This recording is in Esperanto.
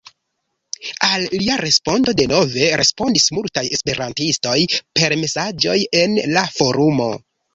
Al lia respondo denove respondis multaj Esperantistoj per mesaĝoj en la forumo.